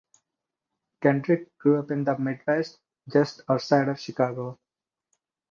Kendrick grew up in the Midwest just outside of Chicago.